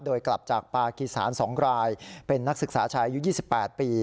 โดยกลับจากปากีสาน๒รายเป็นนักศึกษาชายอายุ๒๘ปี